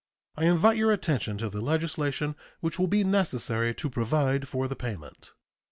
I invite your attention to the legislation which will be necessary to provide for the payment.